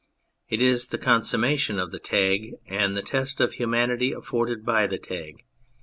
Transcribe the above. It is the consummation of the tag and the test of humanity afforded by the tag.